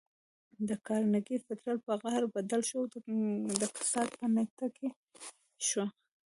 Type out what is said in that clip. د کارنګي فطرت پر قهر بدل شو او د کسات په لټه کې شو.